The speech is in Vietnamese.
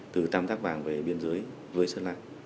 từ tam tác bàng về biên giới với sơn la